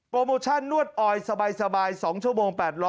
โปรโมชั่นนวดออยล์สบาย๒ชั่วโมง๘๐๐บาท